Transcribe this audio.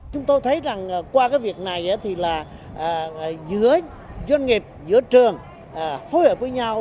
chúng tôi thấy rằng qua cái việc này thì là giữa doanh nghiệp giữa trường phối hợp với nhau